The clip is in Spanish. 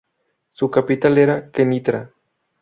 Su capital era Kenitra.